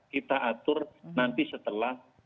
kita atur nanti setelah